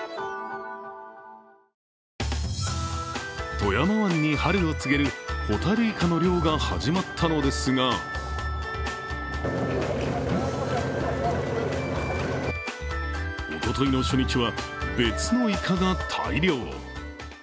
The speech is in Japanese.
富山湾に春を告げるほたるいかの漁が始まったのですがおとといの初日は別のイカが大漁。